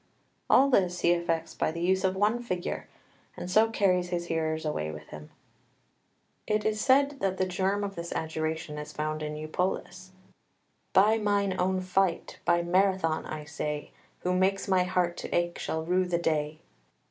All this he effects by the use of one figure, and so carries his hearers away with him. [Footnote 1: De Cor. 208.] 3 It is said that the germ of this adjuration is found in Eupolis "By mine own fight, by Marathon, I say, Who makes my heart to ache shall rue the day!"